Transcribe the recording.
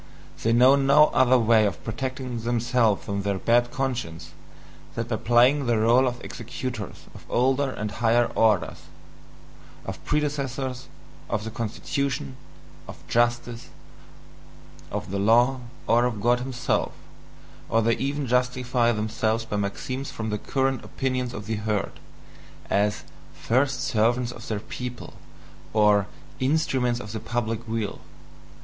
They know no other way of protecting themselves from their bad conscience than by playing the role of executors of older and higher orders (of predecessors, of the constitution, of justice, of the law, or of God himself), or they even justify themselves by maxims from the current opinions of the herd, as "first servants of their people," or "instruments of the public weal".